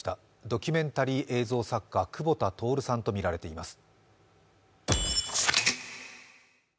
ドキュメンタリー映像作家、久保田徹さんとみられています。